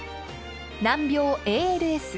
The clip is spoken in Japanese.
難病ＡＬＳ。